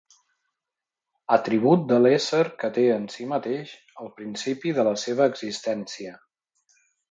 Atribut de l'ésser que té en si mateix el principi de la seva existència.